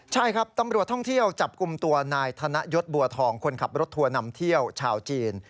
ใช่ครับตำรวจท่องเที่ยวจับกลุ่มตัวนายธนยศบัวทองคนขับรถทัวร์นำเที่ยวชาวจีน